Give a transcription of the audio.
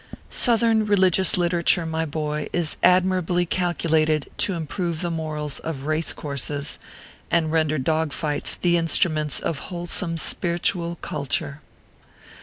SOUTHERN religious literature, my boy, is admir ably calculated to improve the morals of race courses, and render dog fights the instruments of wholesoine spiritual culture.